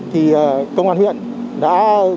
thì công an huyện đã